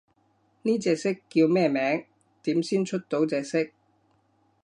呢隻色叫咩名？點先出到隻色？